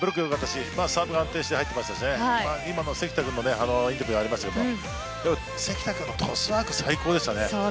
サーブが安定して入っていましたし今の関田君のインタビューがありましたが関田君のトスワーク最高でしたね。